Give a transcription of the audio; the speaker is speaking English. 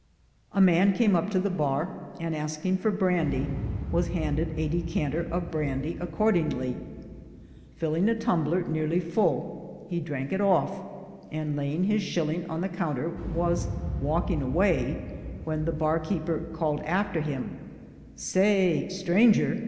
(A man came up to the bar, and asking for brandy, was handed a decanter of brandy accordingly. Fill ing a tumbler nearly full, he drank it off, and, laying his shilling on the counter, was walking away, when the bar keeper called after him, "Saay, stranger!